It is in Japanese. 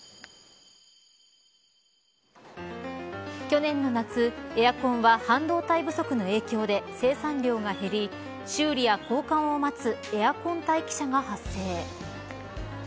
去年の夏、エアコンは半導体不足の影響で生産量が減り修理や交換を待つエアコン待機者が発生。